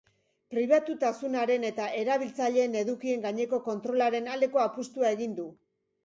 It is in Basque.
Pribatutasunaren eta erabiltzaileen edukien gaineko kontrolaren aldeko apustua egin du.